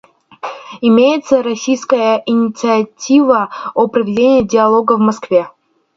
Имеется российская инициатива о проведении диалога в Москве.